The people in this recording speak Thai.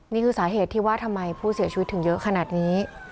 นี่คือสาเหตุที่ว่าทำไมผู้เสียชีวิตถึงเยอะขนาดนี้